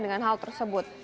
dengan hal tersebut